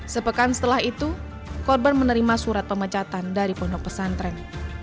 sepekan setelah itu korban menerima surat pemecatan dari pondok pesantren